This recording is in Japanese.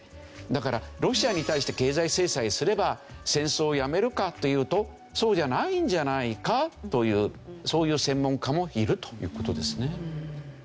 だからロシアに対して経済制裁すれば戦争をやめるかというとそうじゃないんじゃないかというそういう専門家もいるという事ですね。